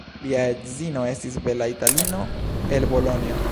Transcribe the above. Lia edzino estis bela Italino el Bolonjo.